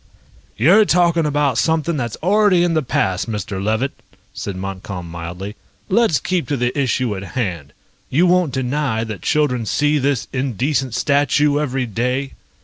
"You're talking about something that's already in the past, Mr. Levitt," said Montcalm mildly. "Let's keep to the issue at hand. You won't deny that children see this indecent statue every day?"